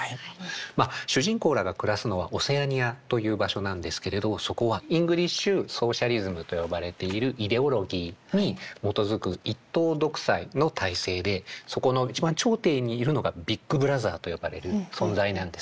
主人公らが暮らすのはオセアニアという場所なんですけれどそこはイングリッシュソーシャリズムと呼ばれているイデオロギーに基づく一党独裁の体制でそこの一番頂点にいるのがビッグブラザーと呼ばれる存在なんですね。